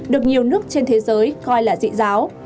được nhiều nước trên thế giới coi là dị giáo